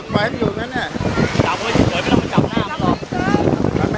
อย่าไปโมงพ่าออกไป